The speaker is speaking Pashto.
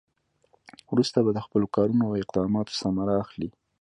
وروسته به د خپلو کارونو او اقداماتو ثمره اخلي.